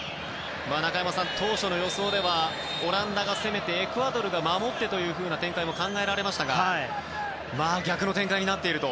中山さん、当初の予想ではオランダが攻めてエクアドルが守ってという展開も考えられましたが逆の展開になっていると。